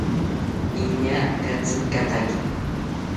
Iñaa katsinkataki